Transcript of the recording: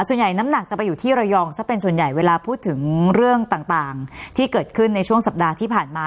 น้ำหนักจะไปอยู่ที่ระยองซะเป็นส่วนใหญ่เวลาพูดถึงเรื่องต่างที่เกิดขึ้นในช่วงสัปดาห์ที่ผ่านมา